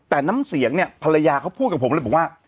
แต่น้ำเสียงเนี่ยภรรยาเขาพูดกับผมเลยบอกว่า